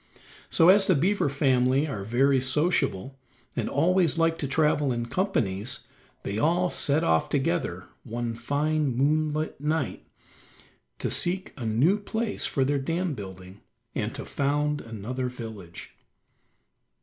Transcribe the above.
So, as the beaver family are very sociable, and always like to travel in companies, they all set off together one fine moonlight night to seek a new place for their dam building, and to found another village.